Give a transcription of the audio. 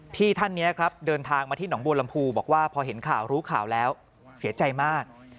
พี่ท่านนี้ครับเดินทางมาที่หนองบัวลำพูบอกว่าพอเห็นข่าวรู้ข่าวแล้วเสียใจมาก